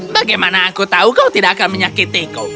bagaimana aku tahu kau tidak akan menyakitiku